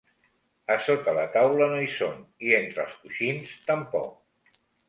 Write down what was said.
A sota la taula no hi són, i entre els coixins tampoc.